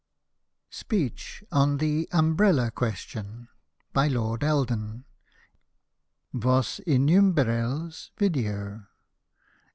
SPEECH ON THE UMBRELLA QUESTION BY LORD ELD — N '' Vos imimbreUes video."